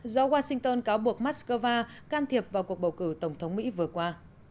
do washington cáo buộc moscow can thiệp vào cuộc bầu cử tổng thống mỹ vừa qua